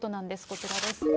こちらです。